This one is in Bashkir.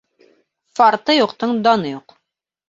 Фарты юҡтың даны юҡ.